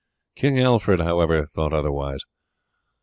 King Alfred, however, thought otherwise.